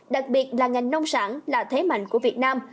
đặc biệt là ngành nông sản là thế mạnh của việt nam